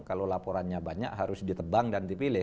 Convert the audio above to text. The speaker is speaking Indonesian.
kalau laporannya banyak harus ditebang dan dipilih